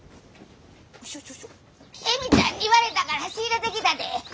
恵美ちゃんに言われたから仕入れてきたで！